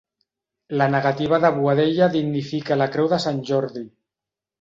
La negativa de Boadella dignifica la Creu de Sant Jordi.